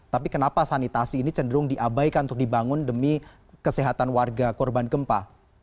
tapi kenapa sanitasi ini cenderung diabaikan untuk dibangun demi kesehatan warga korban gempa